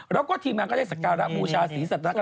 แล้วก็ทีมงานก็ได้